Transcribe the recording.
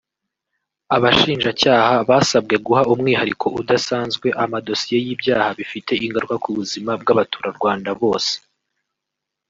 Abashinjacyaha basabwe guha umwihariko udasanzwe amadosiye y’ibyaha bifite ingaruka ku buzima bw’abaturarwanda bose